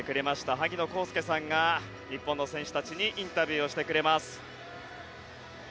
萩野公介さんが日本の選手たちにインタビューしてくれます。